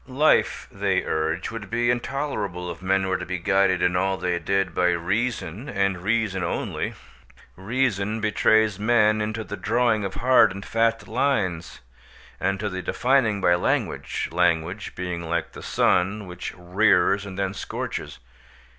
Life, they urge, would be intolerable if men were to be guided in all they did by reason and reason only. Reason betrays men into the drawing of hard and fast lines, and to the defining by language—language being like the sun, which rears and then scorches.